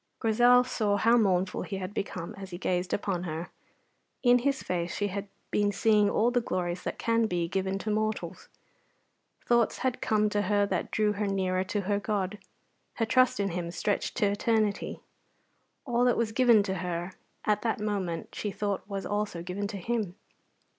Grizel saw how mournful he had become as he gazed upon her. In his face she had been seeing all the glories that can be given to mortals. Thoughts had come to her that drew her nearer to her God. Her trust in him stretched to eternity. All that was given to her at that moment she thought was also given to him.